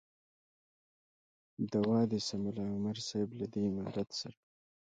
دوه دې سه ملا عمر صاحب له دې امارت سره.